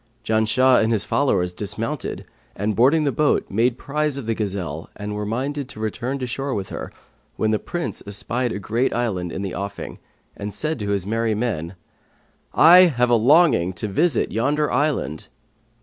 Janshah and his followers dismounted and, boarding the boat, made prize of the gazelle and were minded to return to shore with her, when the Prince espied a great island in the offing and said to his merry men, 'I have a longing to visit yonder island.'